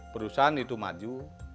perusahaan itu maju